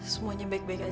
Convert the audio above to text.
semuanya baik baik saja